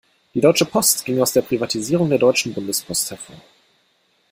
Die Deutsche Post ging aus der Privatisierung der Deutschen Bundespost hervor.